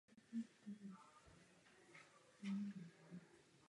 Komentátorem všech představení byl Libor Bouček.